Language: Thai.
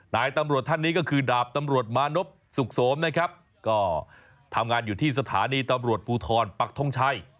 นายตำรวจท่านนี้ก็คือดาบตำรวจมานพสุขโสมนะครับก็ทำงานอยู่ที่สถานีตำรวจภูทรปักทงชัย